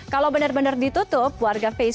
kalian pembeli saja yah